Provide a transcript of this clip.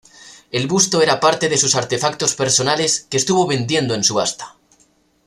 El busto era parte de sus artefactos personales que estuvo vendiendo en subasta.